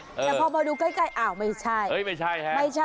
แต่พอมาดูใกล้อ้าวไม่ใช่